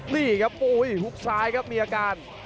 นี่ครับโอ้ยหุบซ้ายครับมีอาการ